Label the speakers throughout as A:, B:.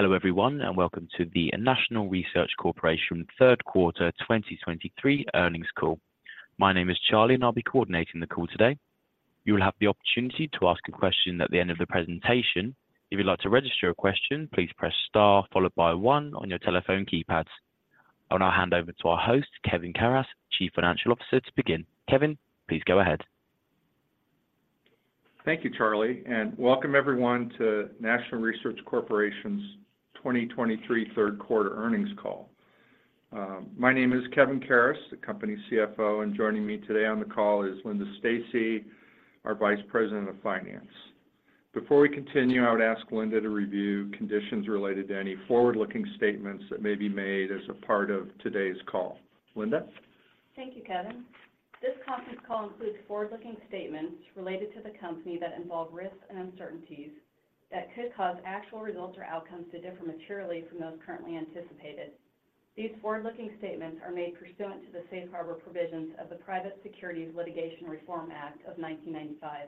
A: Hello, everyone, and welcome to the National Research Corporation third quarter 2023 earnings call. My name is Charlie, and I'll be coordinating the call today. You will have the opportunity to ask a question at the end of the presentation. If you'd like to register a question, please press star followed by one on your telephone keypads. I'll now hand over to our host, Kevin Karas, Chief Financial Officer, to begin. Kevin, please go ahead.
B: Thank you, Charlie, and welcome everyone to National Research Corporation's 2023 third quarter earnings call. My name is Kevin Karas, the company's CFO, and joining me today on the call is Linda Stacy, our Vice President of Finance. Before we continue, I would ask Linda to review conditions related to any forward-looking statements that may be made as a part of today's call. Linda?
C: Thank you, Kevin. This conference call includes forward-looking statements related to the company that involve risks and uncertainties that could cause actual results or outcomes to differ materially from those currently anticipated. These forward-looking statements are made pursuant to the safe harbor provisions of the Private Securities Litigation Reform Act of 1995.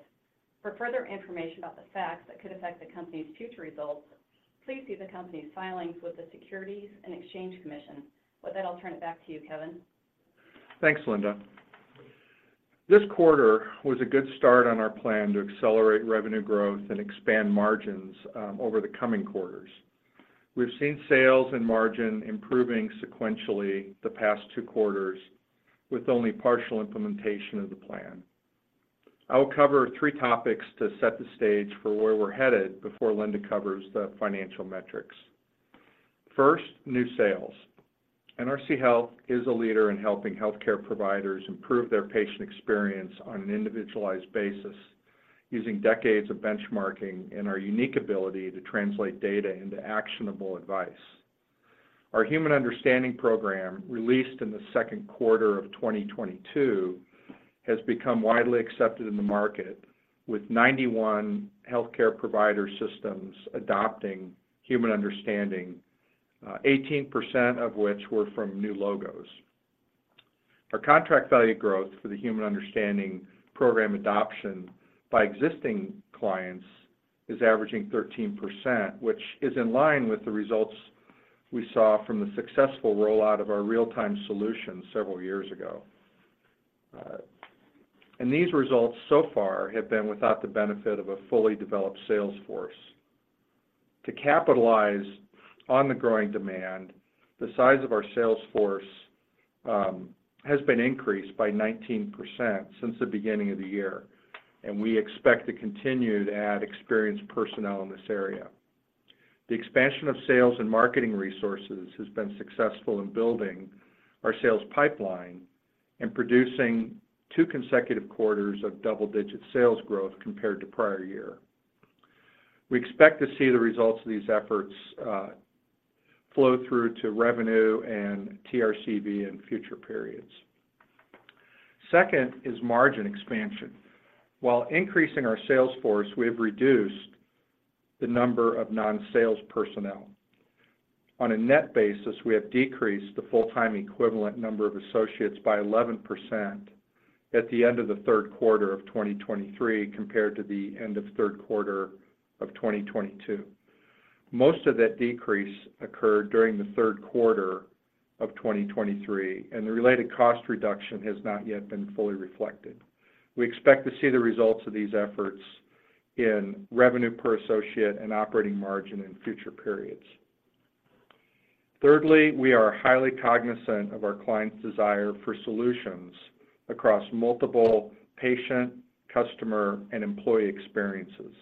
C: For further information about the facts that could affect the company's future results, please see the company's filings with the Securities and Exchange Commission. With that, I'll turn it back to you, Kevin.
B: Thanks, Linda. This quarter was a good start on our plan to accelerate revenue growth and expand margins over the coming quarters. We've seen sales and margin improving sequentially the past two quarters, with only partial implementation of the plan. I will cover three topics to set the stage for where we're headed before Linda covers the financial metrics. First, new sales. NRC Health is a leader in helping healthcare providers improve their patient experience on an individualized basis, using decades of benchmarking and our unique ability to translate data into actionable advice. Our Human Understanding Program, released in the second quarter of 2022, has become widely accepted in the market, with 91 healthcare provider systems adopting Human Understanding, 18% of which were from new logos. Our contract value growth for the Human Understanding Program adoption by existing clients is averaging 13%, which is in line with the results we saw from the successful rollout of our real-time solution several years ago. And these results so far have been without the benefit of a fully developed sales force. To capitalize on the growing demand, the size of our sales force has been increased by 19% since the beginning of the year, and we expect to continue to add experienced personnel in this area. The expansion of sales and marketing resources has been successful in building our sales pipeline and producing two consecutive quarters of double-digit sales growth compared to prior year. We expect to see the results of these efforts flow through to revenue and TRCV in future periods. Second is margin expansion. While increasing our sales force, we have reduced the number of non-sales personnel. On a net basis, we have decreased the full-time equivalent number of associates by 11% at the end of the third quarter of 2023, compared to the end of third quarter of 2022. Most of that decrease occurred during the third quarter of 2023, and the related cost reduction has not yet been fully reflected. We expect to see the results of these efforts in revenue per associate and operating margin in future periods. Thirdly, we are highly cognizant of our clients' desire for solutions across multiple patient, customer, and employee experiences.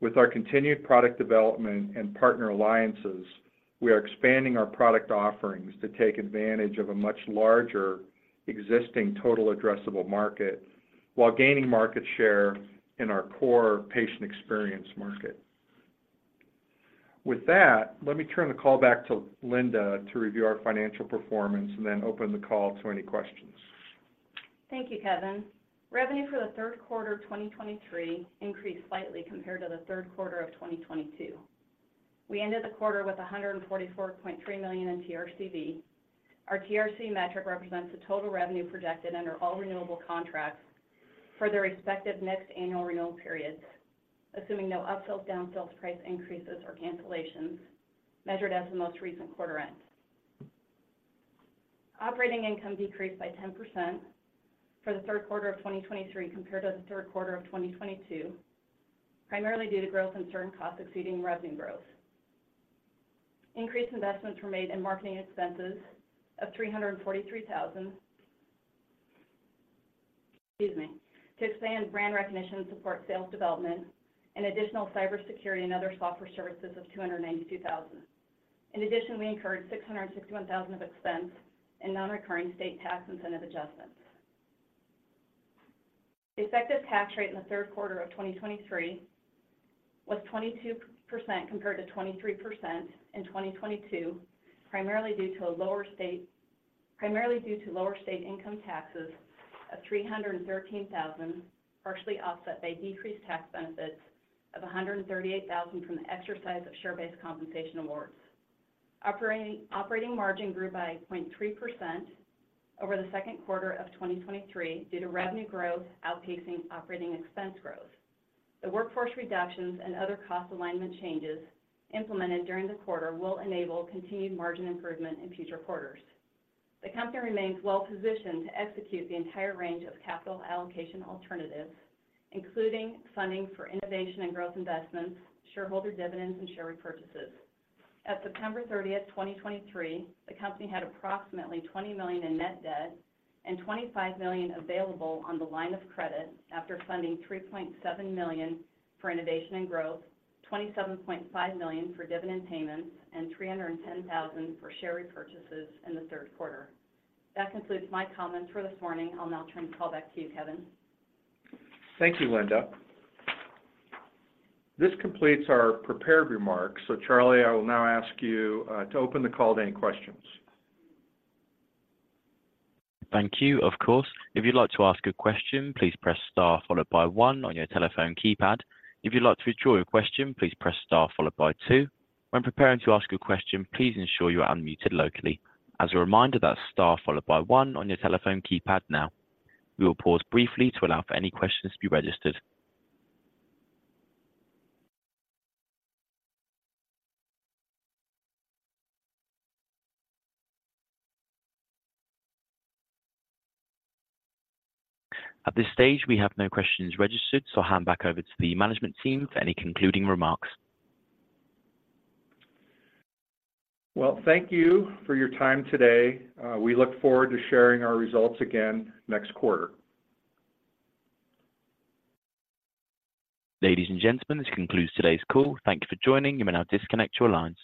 B: With our continued product development and partner alliances, we are expanding our product offerings to take advantage of a much larger existing total addressable market while gaining market share in our core patient experience market. With that, let me turn the call back to Linda to review our financial performance and then open the call to any questions.
C: Thank you, Kevin. Revenue for the third quarter of 2023 increased slightly compared to the third quarter of 2022. We ended the quarter with $144.3 million in TRCV. Our TRC metric represents the total revenue projected under all renewable contracts for their respective next annual renewal periods, assuming no upsells, downsells, price increases, or cancellations, measured as the most recent quarter end. Operating income decreased by 10% for the third quarter of 2023 compared to the third quarter of 2022, primarily due to growth in certain costs exceeding revenue growth. Increased investments were made in marketing expenses of $343,000, excuse me, to expand brand recognition and support sales development and additional cybersecurity and other software services of $292,000. In addition, we incurred $661,000 of expense in non-recurring state tax incentive adjustments. The effective tax rate in the third quarter of 2023 was 22%, compared to 23% in 2022, primarily due to lower state income taxes of $313,000, partially offset by decreased tax benefits of $138,000 from the exercise of share-based compensation awards. Operating margin grew by 0.3% over the second quarter of 2023 due to revenue growth outpacing operating expense growth. The workforce reductions and other cost alignment changes implemented during the quarter will enable continued margin improvement in future quarters. The company remains well positioned to execute the entire range of capital allocation alternatives, including funding for innovation and growth investments, shareholder dividends, and share repurchases. At September 30th, 2023, the company had approximately $20 million in net debt and $25 million available on the line of credit after funding $3.7 million for innovation and growth, $27.5 million for dividend payments, and $310,000 for share repurchases in the third quarter. That concludes my comments for this morning. I'll now turn the call back to you, Kevin.
B: Thank you, Linda. This completes our prepared remarks. Charlie, I will now ask you to open the call to any questions.
A: Thank you. Of course, if you'd like to ask a question, please press star followed by one on your telephone keypad. If you'd like to withdraw your question, please press star followed by two. When preparing to ask a question, please ensure you are unmuted locally. As a reminder, that's star followed by one on your telephone keypad now. We will pause briefly to allow for any questions to be registered. At this stage, we have no questions registered, so I'll hand back over to the management team for any concluding remarks.
B: Well, thank you for your time today. We look forward to sharing our results again next quarter.
A: Ladies and gentlemen, this concludes today's call. Thank you for joining. You may now disconnect your lines.